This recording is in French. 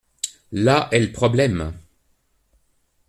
Là est le problème.